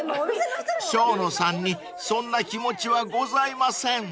［生野さんにそんな気持ちはございません］